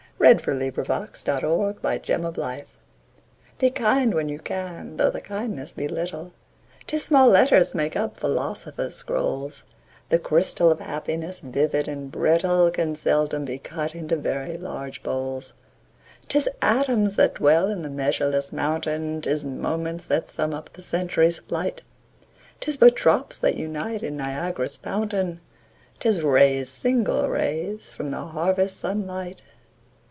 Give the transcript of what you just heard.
146033Be Kind When You CanEliza Cook Be kind when you can, though the kindness be little, 'Tis small letters make up philosophers' scrolls; The crystal of Happiness, vivid and brittle, Can seldom be cut into very large bowls. 'Tis atoms that dwell in the measureless mountain, 'Tis moments that sum up the century's flight; 'Tis but drops that unite in Niagara's fountain, 'Tis rays, single rays, from the harvest sun light.